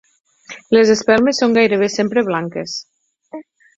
Les espelmes són gairebé sempre blanques.